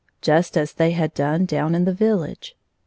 just as they had done down in the village.